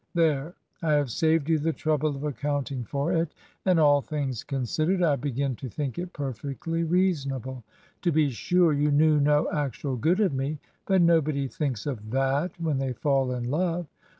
... There, I have saved you the trouble of accounting for it, and, all things considered, I begin to think it perfectly reasonable. To be sure, you knew no actual good of me, but nobody thinks of thai when they fall in love.